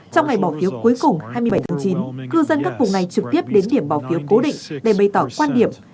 trong ngày bỏ phiếu cuối cùng hai mươi bảy tháng chín cư dân các vùng này trực tiếp đến điểm bỏ phiếu cố định để bày tỏ quan điểm